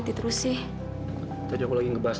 lebih simpan polos tersenang